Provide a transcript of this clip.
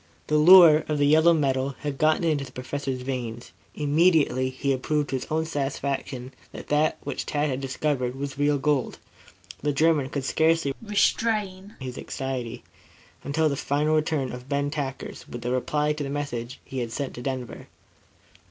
The lure of the yellow metal had gotten into the Professor's veins, immediately he had proved to his own satisfaction that that which Tad had discovered was real gold. The German could scarcely restrain his anxiety until the final return of Ben Tackers with the reply to the message he had sent on to Denver.